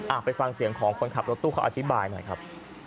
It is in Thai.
ไปฟังเสียงของคนขับรถตู้เขาอธิบายหน่อยครับ